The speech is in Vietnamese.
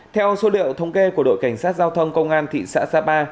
theo số liệu thống kê của đội cảnh sát giao thông công an thị xã sapa